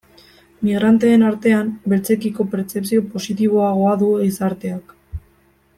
Migranteen artean, beltzekiko pertzepzio positiboagoa du gizarteak.